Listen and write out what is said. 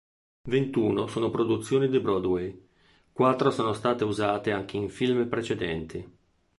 Ventuno sono produzioni di Broadway, quattro sono state usate anche in film precedenti.